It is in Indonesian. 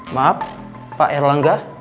maaf pak erlangga